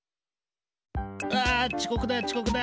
うわちこくだちこくだ！